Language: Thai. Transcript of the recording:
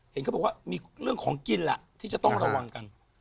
เห็นเขาบอกว่ามีเรื่องของกินแหละที่จะต้องระวังกัน